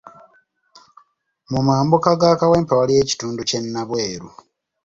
Mu mambuka ga Kawempe waliyo ekitundu kye Nabweru.